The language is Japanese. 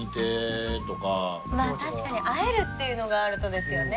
まあ確かに会えるっていうのがあるとですよね